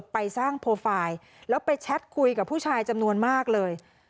ไปสร้างโปรไฟล์แล้วไปแชทคุยกับผู้ชายจำนวนมากเลย